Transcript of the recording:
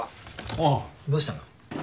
おうどうしたの？